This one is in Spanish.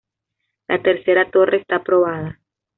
La tercera torre está aprobada.